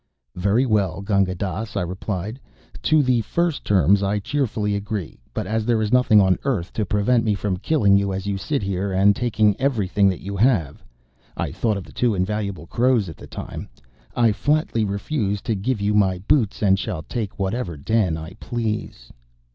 "Very well, Gunga Dass," I replied; "to the first terms I cheerfully agree, but, as there is nothing on earth to prevent my killing you as you sit here and taking everything that you have" (I thought of the two invaluable crows at the time), "I flatly refuse to give you my boots and shall take whichever den I please."